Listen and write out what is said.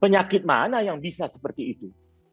penyakit mana yang bisa seperti itu